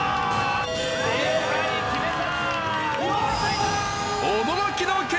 正解決めた！